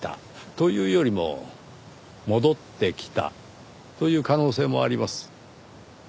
というよりも戻ってきたという可能性もあります。